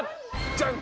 じゃん。